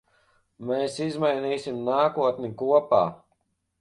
Mēs izmainīsim nākotni kopā.